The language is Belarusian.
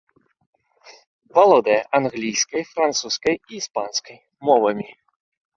Валодае англійскай, французскай і іспанскай мовамі.